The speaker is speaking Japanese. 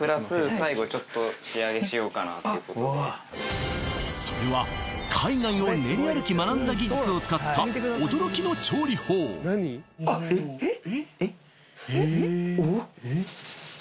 最後ちょっと仕上げしようかなっていうことでそれは海外を練り歩き学んだ技術を使った驚きの調理法えっ？